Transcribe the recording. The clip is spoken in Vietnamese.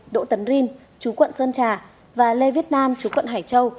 đỗ tấn rin chú quận sơn trà và lê việt nam chú quận hải châu